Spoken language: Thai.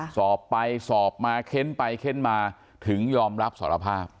สอบไปสอบมาเค้นไปเค้นมาถึงยอมรับสารภาพ